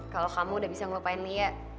kalau kamu udah bisa ngelupain dia